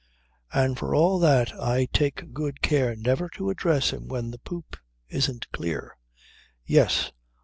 And for all that I take good care never to address him when the poop isn't clear. Yes!